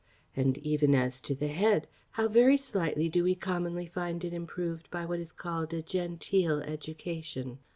And even as to the head, how very slightly do we commonly find it improved by what is called a genteel education!